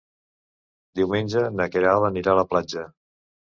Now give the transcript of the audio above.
Diumenge na Queralt anirà a la platja.